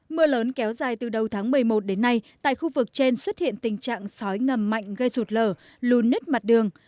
mưa lớn kéo dài từ đầu tháng một mươi một đến nay tại khu vực trên xuất hiện tình trạng sói ngầm mạnh gây sụt lở lùn nứt mặt đường